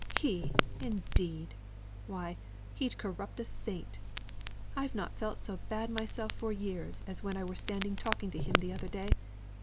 He, indeed! Why, he'd corrupt a saint. I've not felt so bad myself for years as when I were standing talking to him the other day.